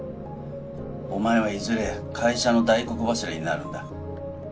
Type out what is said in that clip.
お前はいずれ会社の大黒柱になるんだ。